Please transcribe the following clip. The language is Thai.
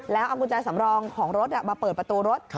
แล้วเอากุญแจสำรองของรถมาเปิดประตูรถ